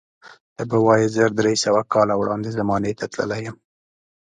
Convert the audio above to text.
ته به وایې زر درې سوه کاله وړاندې زمانې ته تللی یم.